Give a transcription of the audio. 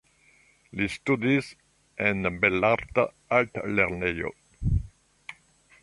Li studis en Belarta Altlernejo.